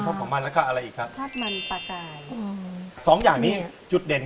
รสชาติของแม่เป็นยังไงบ้าง